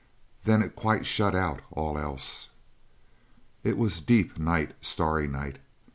Then it quite shut out all else. It was deep night, starry night.